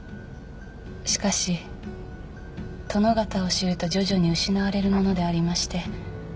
しかし殿方を知ると徐々に失われるものでありまして。